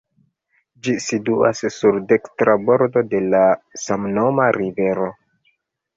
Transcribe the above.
Ĝi situas sur dekstra bordo de la samnoma rivero.